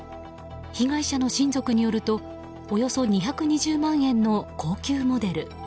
被害者の親族によるとおよそ２２０万円の高級モデル。